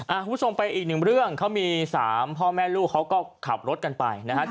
อ่าพูดทรงไปอีกหนึ่งเรื่องเขามี๓พ่อแม่ลูกเขาก็ขับรถกันไปนะฮะ